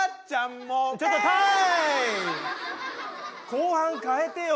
後半変えてよ！